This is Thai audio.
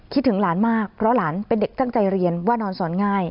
ถึงหลานมากเพราะหลานเป็นเด็กตั้งใจเรียนว่านอนสอนง่าย